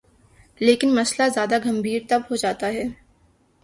لیکن مسئلہ زیادہ گمبھیر تب ہو جاتا ہے۔